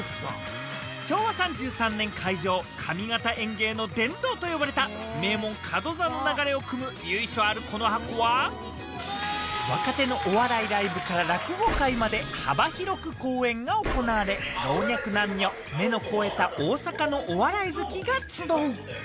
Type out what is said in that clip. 昭和３３年開場、上方演芸の伝統と呼ばれる名門、角座の流れをくむ由緒あるこのハコは、若手のお笑いライブから落語界まで幅広く公演が行われ、老若男女、目の肥えた大阪のお笑い好きが集う。